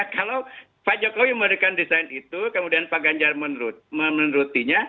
kalau pak jokowi memberikan desain itu kemudian pak ganjar menurutinya